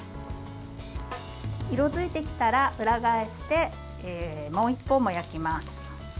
色づいてきたら裏返してもう一方も焼きます。